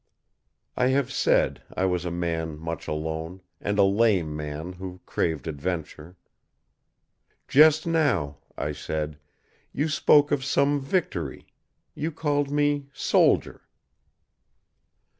I have said I was a man much alone, and a lame man who craved adventure. "Just now," I said, "you spoke of some victory. You called me soldier."